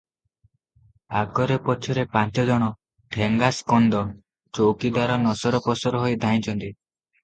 ଆଗରେ ପଛରେ ପାଞ୍ଚଜଣ ଠେଙ୍ଗାସ୍କନ୍ଧ ଚୌକିଦାର ନସର ପସର ହୋଇ ଧାଇଁଛନ୍ତି ।